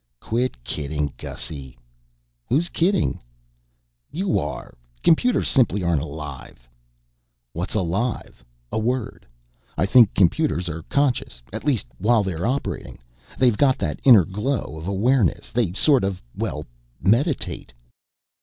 "Quit kidding, Gussy." "Who's kidding?" "You are. Computers simply aren't alive." "What's alive? A word. I think computers are conscious, at least while they're operating. They've got that inner glow of awareness. They sort of ... well ... meditate."